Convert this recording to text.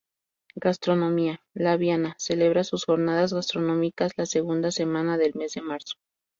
Gastronomía: Laviana celebra sus jornadas gastronómicas la segunda semana del mes de marzo.